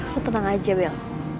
lo tenang aja bel